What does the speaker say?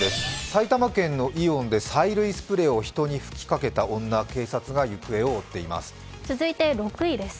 埼玉県のイオンで催涙スプレーを人にふきかけた女、警察が行方を追っています。